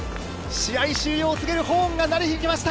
試合終了を告げるホーンが鳴り響きました。